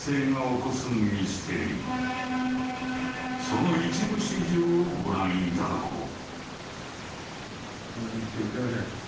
［その一部始終をご覧いただこう］